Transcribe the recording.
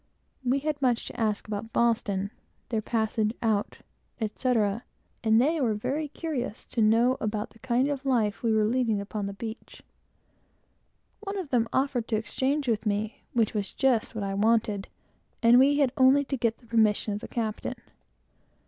We had much to ask about Boston, their passage out, etc., and they were very curious to know about the life we were leading upon the beach. One of them offered to exchange with me; which was just what I wanted; and we had only to get the permission of the captain.